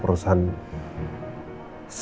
lalu mata tidak bagus